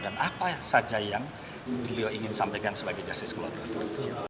dan apa saja yang dia ingin sampaikan sebagai justice collaborator